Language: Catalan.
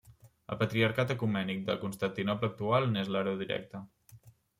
El Patriarcat Ecumènic de Constantinoble actual n'és l'hereu directe.